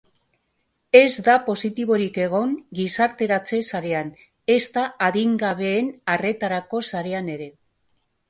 Ez da positiborik egon gizarteratze-sarean, ezta adingabeen arretarako sarean ere.